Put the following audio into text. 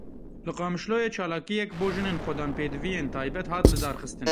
Li Qamişloyê çalakiyek bo jinên xwedan pêdiviyên taybet hat lidarxistin.